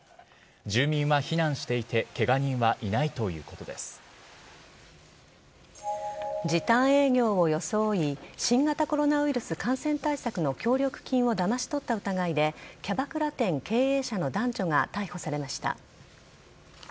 住民は避難していて時短営業を装い新型コロナウイルス感染対策の協力金をだまし取った疑いでキャバクラ店経営者の男女が逮捕されました。